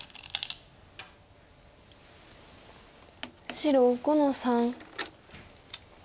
白５の三。